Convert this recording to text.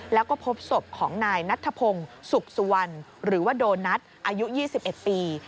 แล้วก็พบศพของนายนัทธพงศ์สุขสุวรรณหรือว่าโดนัทอายุ๒๑ปี